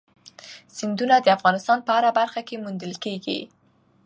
سیندونه د افغانستان په هره برخه کې موندل کېږي.